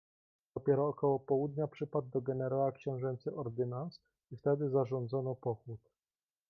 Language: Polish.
"Dopiero około południa przypadł do generała książęcy ordynans i wtedy zarządzono pochód."